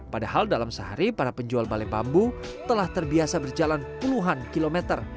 padahal dalam sehari para penjual balai bambu telah terbiasa berjalan puluhan kilometer